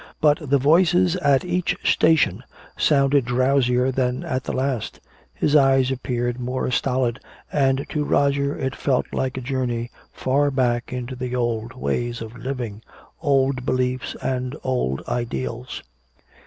But the voices at each station sounded drowsier than at the last, the eyes appeared more stolid, and to Roger it felt like a journey far back into old ways of living, old beliefs and old ideals.